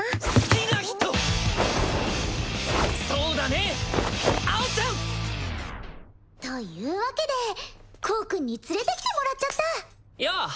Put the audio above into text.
そうだね！アオちゃんというわけで光くんに連れてきてもらっちゃったよう！